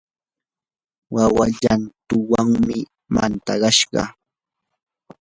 wawa llantunwanmi mantsakashqa.